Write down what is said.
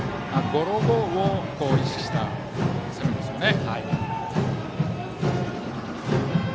ゴロゴーを意識した攻めですね。